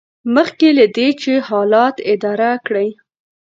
مخکې له دې چې حالات اداره کړئ.